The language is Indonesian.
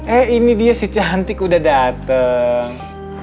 eh ini dia si cantik udah datang